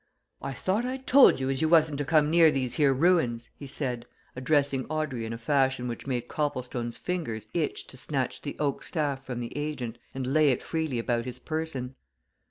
"I thought I'd told you as you wasn't to come near these here ruins!" he said, addressing Audrey in a fashion which made Copplestone's fingers itch to snatch the oak staff from the agent and lay it freely about his person.